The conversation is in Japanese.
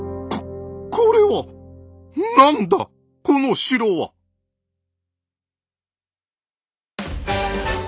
ここれは何だこの城は。